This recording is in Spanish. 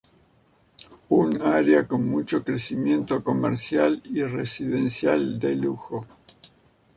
Un área con mucho crecimiento comercial y residencial de lujo.